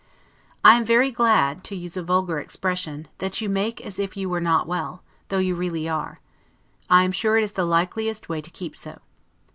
I am very glad (to use a vulgar expression) that You MAKE AS IF YOU WERE NOT WELL, though you really are; I am sure it is the likeliest way to keep so.